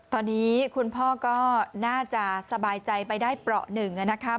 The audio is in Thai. ตอนนี้คุณพ่อก็น่าจะสบายใจไปได้เปราะหนึ่งนะครับ